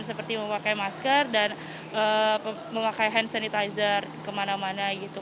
tapi memang harus memakai masker dan memakai hand sanitizer kemana mana gitu